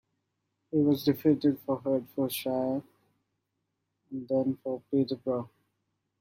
He was defeated for Herefordshire and then for Peterborough.